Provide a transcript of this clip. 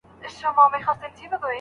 نو ډالۍ ورکړئ.